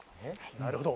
なるほど！